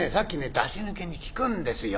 出し抜けに聞くんですよ